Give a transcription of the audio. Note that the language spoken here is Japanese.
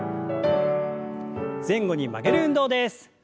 前後に曲げる運動です。